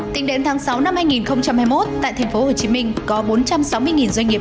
tỉnh đếm tháng sáu năm hai nghìn hai mươi một tại thành phố hồ chí minh có bốn trăm sáu mươi doanh nghiệp